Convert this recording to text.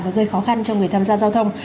và gây khó khăn cho người tham gia giao thông